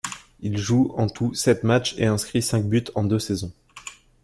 Il joue en tout sept matchs et inscrit cinq buts en deux saisons.